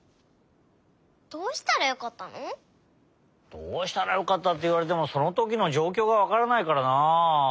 どうしたらよかったっていわれてもそのときのじょうきょうがわからないからなあ。